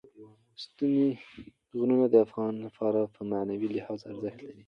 ستوني غرونه د افغانانو لپاره په معنوي لحاظ ارزښت لري.